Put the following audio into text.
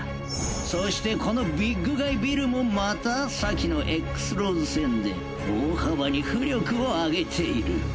そしてこのビッグガイ・ビルもまた先のＸ−ＬＡＷＳ戦で大幅に巫力を上げている。